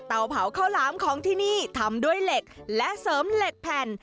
เผาข้าวหลามของที่นี่ทำด้วยเหล็กและเสริมเหล็กแผ่น